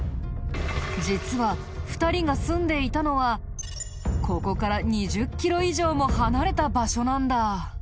実は２人が住んでいたのはここから２０キロ以上も離れた場所なんだ。